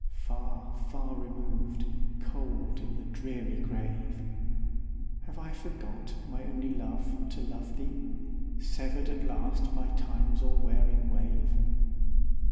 Far, far removed, cold in the dreary grave! Have I forgot, my only love, to love thee, Severed at last by Time's all wearing wave?